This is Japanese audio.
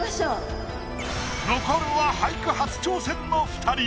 残るは俳句初挑戦の２人。